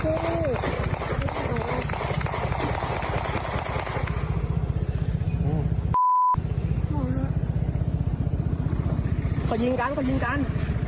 เขายิงกันเขายิงกัน